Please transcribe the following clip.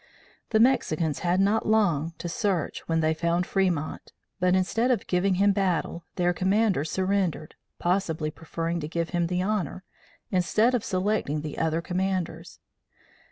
The Mexicans had not long to search when they found Fremont, but, instead of giving him battle, their commander surrendered, possibly preferring to give him the honor, instead of selecting the other commanders.